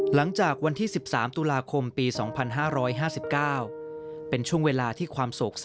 หลังจากวันที่สิบสามตุลาคมปีสองพันห้าร้อยห้าสิบเก้าเป็นช่วงเวลาที่ความ